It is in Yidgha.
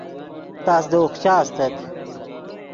تس دے اوخچا استت